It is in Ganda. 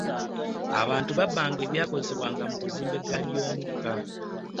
Abantu babbanga ebyakozesebwanga mu kuzimba eggali y'omukka.